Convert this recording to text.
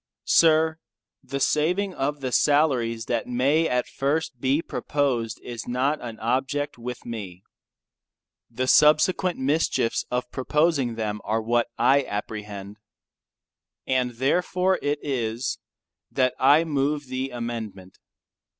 Sir, The saving of the salaries that may at first be proposed is not an object with me. The subsequent mischiefs of proposing them are what I apprehend. And therefore it is, that I move the amendment.